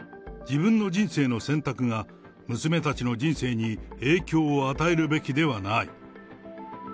自分の人生の選択が、娘たちの人生に影響を与えるべきではない。